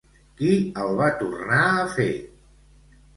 Qui el va tornar a fer?